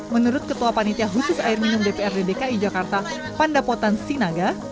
menurut ketua panitia khusus air minum dprd dki jakarta pandapotan sinaga